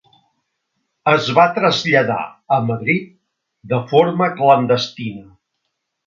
Es va traslladar a Madrid de forma clandestina.